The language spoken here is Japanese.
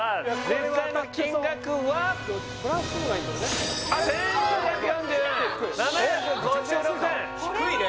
実際の金額は１９４４円７５６円低いね